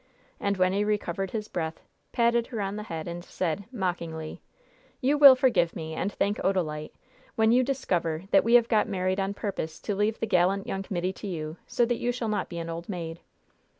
And when he recovered his breath, patted her on the head and said, mockingly: "You will forgive me, and thank Odalite, when you discover that we have got married on purpose to leave the gallant young middy to you, so that you shall not be an old maid."